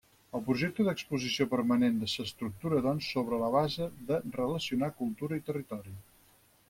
El projecte d'exposició permanent s'estructura doncs sobre la base de relacionar cultura i territori.